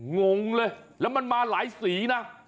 งงเลยแล้วมันมาหลายสีนะ